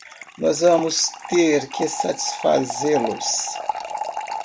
Nós vamos ter que satisfazê-los.